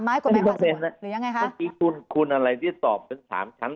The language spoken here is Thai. เมื่อกี้คุณอะไรที่ตอบเป็น๓ชั้น๔ชั้น